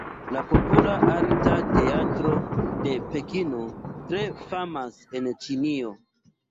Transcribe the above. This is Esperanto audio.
La Popola Arta Teatro de Pekino tre famas en Ĉinio.